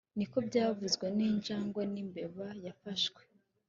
niko byavuzwe ninjangwe n'imbeba yafashwe